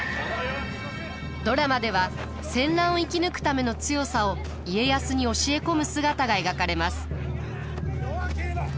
ドラマでは戦乱を生き抜くための強さを家康に教え込む姿が描かれます。